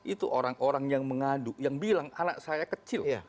itu orang orang yang mengadu yang bilang anak saya kecil